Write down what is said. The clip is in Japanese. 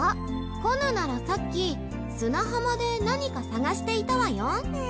コヌならさっき砂浜で何か探していたわよん。